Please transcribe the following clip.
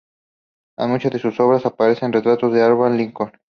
En muchas de sus obras aparece retratado Abraham Lincoln.